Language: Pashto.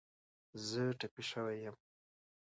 زه ټپې شوی یم